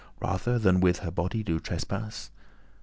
Rather than with her body do trespass?